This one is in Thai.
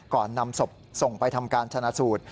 นำศพส่งไปทำการชนะสูตร